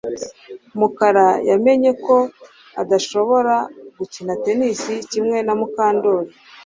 Mukara yamenye ko adashobora gukina tennis kimwe na Mukandoli